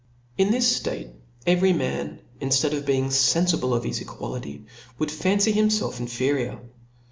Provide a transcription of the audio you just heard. In this ftate eyery man, inftead of being fenfible of his jsquality, would fancy himfelf inferior.